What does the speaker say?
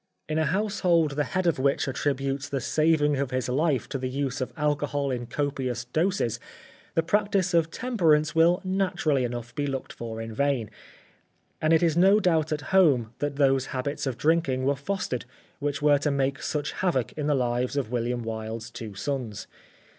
In a household the head of which attributes the saving of his life to the use of alcohol in copious doses the practice of temperance will naturally enough be looked for in vain ; and it is no doubt at home that those habits of drinking were fostered which were to II The Life of Oscar Wilde make such havoc in the Hves of WiUiam Wilde's two sons.